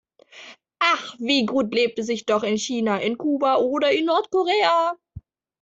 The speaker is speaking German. Ach, wie gut lebt es sich doch in China, in Kuba oder in Nordkorea!